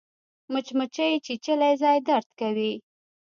مچمچۍ چیچلی ځای درد کوي